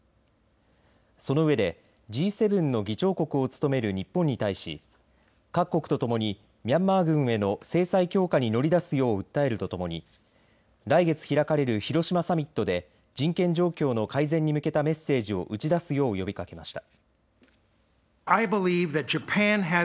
その上で、Ｇ７の議長国を務める日本に対し各国とともにミャンマー軍への制裁強化に乗り出すよう訴えるとともに来月開かれる広島サミットで人権状況の改善に向けたメッセージを打ち出すよう呼びかけました。